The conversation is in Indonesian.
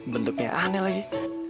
bentuknya aneh lagi